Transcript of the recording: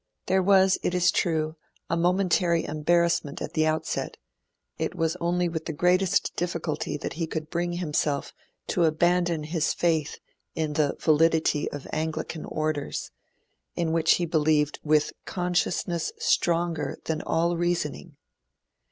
There was, it is true, a momentary embarrassment at the outset: it was only with the greatest difficulty that he could bring himself to abandon his faith in the validity of Anglican Orders, in which he believed 'with consciousness stronger than all reasoning'.